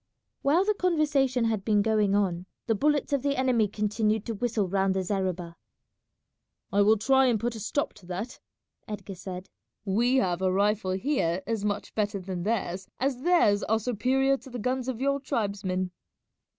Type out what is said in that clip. While the conversation had been going on, the bullets of the enemy continued to whistle round the zareba. "I will try and put a stop to that," Edgar said; "we have a rifle here as much better than theirs, as theirs are superior to the guns of your tribesmen."